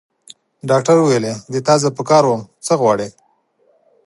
ډاکټر وویل: ستا زه په کار وم؟ څه غواړې؟